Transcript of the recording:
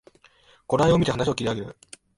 頃合いをみて話を切り上げる